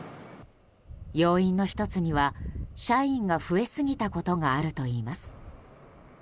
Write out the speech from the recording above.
要因の１つには社員が増えすぎたことがあるといいます。